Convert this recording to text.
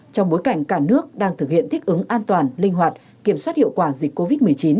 trong bối cảnh cả nước đang thực hiện thích ứng an toàn linh hoạt kiểm soát hiệu quả dịch covid một mươi chín